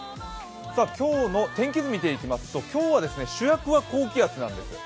今日の天気図見ていきますと今日は主役は高気圧なんです。